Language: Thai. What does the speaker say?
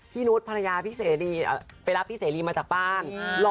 นุษย์ภรรยาพี่เสรีไปรับพี่เสรีมาจากบ้าน